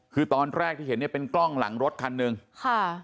คือตอนแรกที่เห็นเนี่ยเป็นกล้องหลังรถคันหนึ่งค่ะ